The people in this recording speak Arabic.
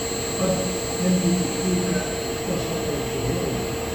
قد ينبت الشوك وسط الزهور